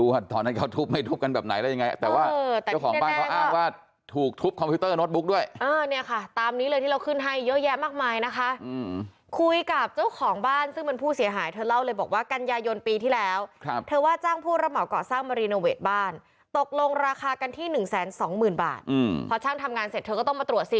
เหตุการณ์เกิดขึ้นวันนี้แหละได้รับแจ้งมาจากนางอนิสาโครงทุ่มนะคะเธอเป็นชาวสวน